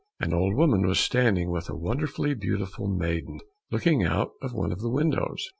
An old woman was standing with a wonderfully beautiful maiden, looking out of one of the windows.